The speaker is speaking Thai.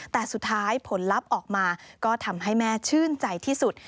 แต่สุดท้ายผลลัพธ์ออกมาก็ทำให้แม่ชื่นใจที่สุด